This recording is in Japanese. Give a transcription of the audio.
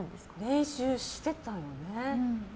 練習してたよね。